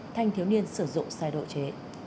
thanh thiếu niên sử dụng xe độ chế